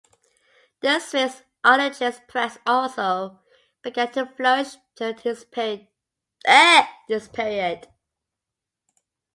The Swiss anarchist press also began to flourish during this period.